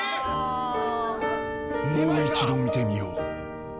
［もう一度見てみよう］